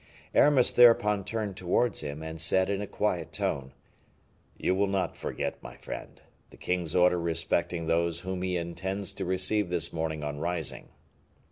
Aramis thereupon turned towards him, and said, in a quiet tone, "You will not forget, my friend, the king's order respecting those whom he intends to receive this morning on rising."